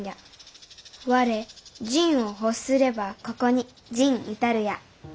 我仁を欲すれば斯に仁至るや。